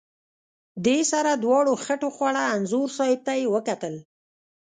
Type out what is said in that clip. دې سره دواړو خټ وخوړه، انځور صاحب ته یې وکتل.